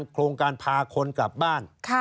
โครงการพาคนกลับบ้าน